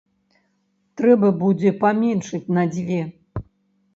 Трэба будзе паменшыць на дзве!